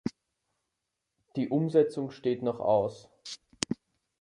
Die Umsetzung steht noch aus.